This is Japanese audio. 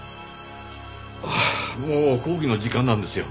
ああもう講義の時間なんですよ。